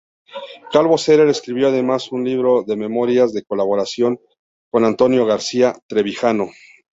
Calvo Serer escribió además un libro de Memorias en colaboración con Antonio García-Trevijano.